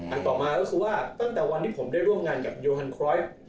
ต่อมาก็คือว่าตั้งแต่วันที่ผมได้ร่วมงานกับโยฮันครอส